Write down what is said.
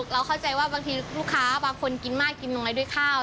เราเข้าใจว่าบางทีลูกค้าบางคนกินมากกินน้อยด้วยข้าว